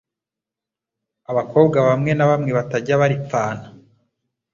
abakobwa bamwe na bamwe batajya baripfana